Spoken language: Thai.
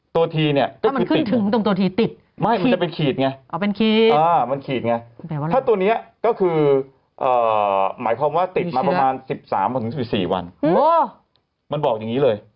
ตัวทีเนี่ยก็คือติดถึงตรงตัวทีติดไม่มันจะเป็นขีดไงมันขีดไงว่าถ้าตัวนี้ก็คือหมายความว่าติดมาประมาณ๑๓๑๔วันมันบอกอย่างนี้เลย